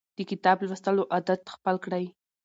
د کتاب لوستلو عادت خپل کړئ.